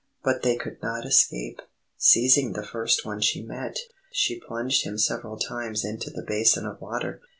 But they could not escape. Seizing the first one she met, she plunged him several times into the basin of water.